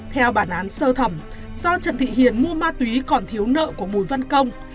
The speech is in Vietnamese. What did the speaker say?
theo bản án sơ thẩm do trần thị hiền mua ma túy còn thiếu nợ của bùi văn công